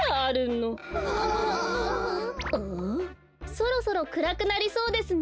そろそろくらくなりそうですね。